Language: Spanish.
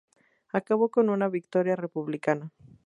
Acabó con una victoria republicana.